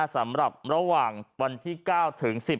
สำหรับระหว่างวันที่๙ถึง๑๐